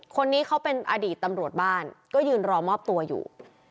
คนนี้เขาเป็นอดีตตำรวจบ้านก็ยืนรอมอบตัวอยู่